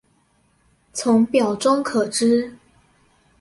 從表中可知